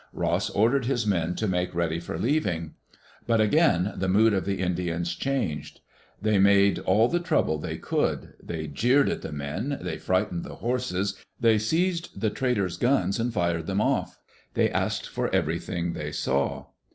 Ross ordered his men to make ready for leaving. But again the mood of the Indians changed: They made all the trouble they could. They jeered at the men; they frightened the horses; they seized the traders' guns and fired them off; they asked for everything they saw.